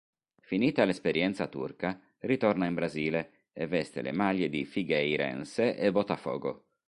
Finita l'esperienza turca, ritorna in Brasile e veste le maglie di Figueirense e Botafogo.